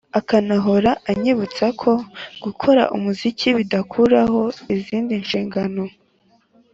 akanahora anyibutsa ko gukora umuziki bidakuraho izindi nshingano